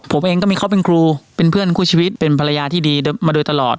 ผมเองก็มีเขาเป็นครูเป็นเพื่อนคู่ชีวิตเป็นภรรยาที่ดีมาโดยตลอด